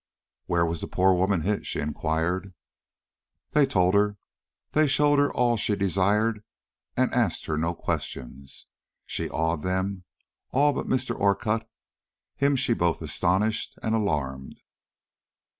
"Where was the poor woman hit?" she inquired. They told her; they showed her all she desired and asked her no questions. She awed them, all but Mr. Orcutt him she both astonished and alarmed.